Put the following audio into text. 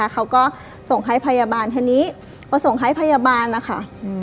เขาก็ส่งให้พยาบาลทีนี้พอส่งให้พยาบาลนะคะ